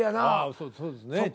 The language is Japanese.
ああそうですね。